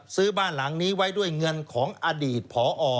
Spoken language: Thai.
ซื้อบ้านหลังนี้ไว้ด้วยเงินของอดีตผอ